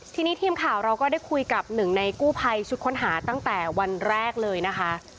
ทีนี้ทีมข่าวเราก็ได้คุยกับหนึ่งในกู้ภัยชุดค้นหาตั้งแต่วันแรกเลยนะคะ